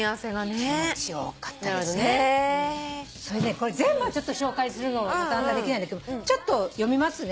これ全部は紹介するのなかなかできないんだけどちょっと読みますね。